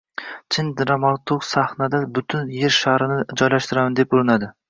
Chin dramaturg sahnada butun yer sharini joylashtiraman deb urinadi